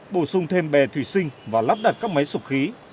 bổ sung thêm bè thủy sinh và lắp đặt các máy sụp khí